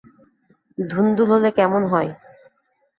ধুন্দুল হলে কেমন হয়?